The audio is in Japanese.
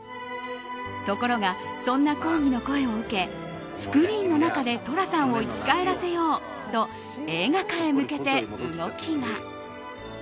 ところが、そんな抗議の声を受けスクリーンの中で寅さんを生き返らせようと映画化へ向けて動きが。